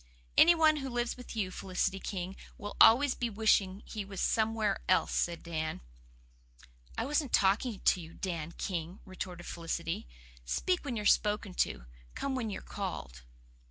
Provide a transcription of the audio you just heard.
"Any one who lives with you, Felicity King, will always be wishing he was somewhere else," said Dan. "I wasn't talking to you, Dan King," retorted Felicity, "'Speak when you're spoken to, come when you're called.